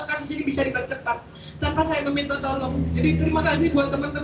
kasus ini bisa dipercepat tanpa saya meminta tolong jadi terima kasih banyak banyak dan saya berharap